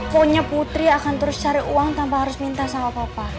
pokoknya putri akan terus cari uang tanpa harus minta sama papa